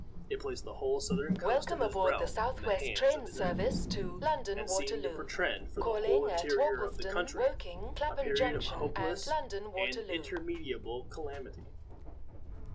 It placed the whole southern coast of his realm in the hands of his enemies, and seemed to portend for the whole interior of the country a period of hopeless and irremediable calamity.